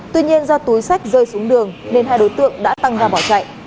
tuy nhiên do túi sách rơi xuống đường nên hai đối tượng đã tăng ra bỏ chạy